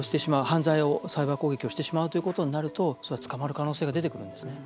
犯罪を、サイバー攻撃をしてしまうということになるとそれは捕まる可能性が出てくるんですね。